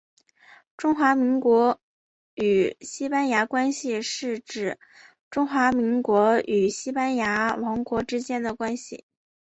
中华民国与西班牙关系是指中华民国与西班牙王国之间的关系。